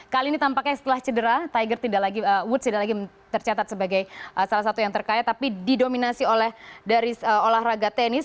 kali ini tampaknya setelah cedera tiger wood tidak lagi tercatat sebagai salah satu yang terkaya tapi didominasi oleh dari olahraga tenis